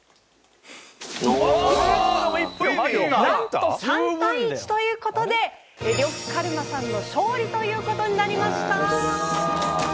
なんと３対１という事で呂布カルマさんの勝利という事になりました！